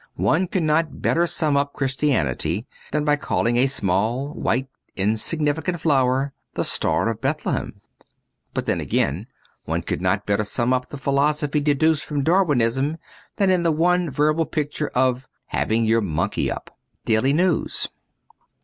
One could not better sum up Christianity than by calling a small white insignificant flower ' The Star of Bethlehem.' But then again one could not better sum up the philosophy deduced from Darwinism than in the one verbal picture of ' having your monkey up.' ^ Daily News.'